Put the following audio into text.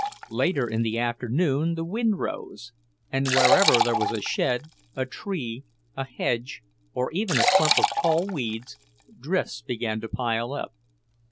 Later in the afternoon the wind rose, and wherever there was a shed, a tree, a hedge, or even a clump of tall weeds, drifts began to pile up.